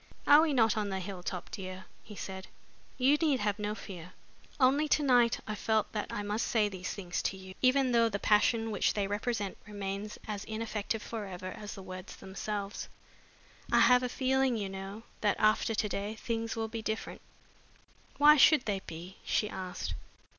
"Are we not on the hill top, dear?" he said. "You need have no fear. Only to night I felt that I must say these things to you, even though the passion which they represent remains as ineffective forever as the words themselves. I have a feeling, you know, that after to day things will be different." "Why should they be?" she asked.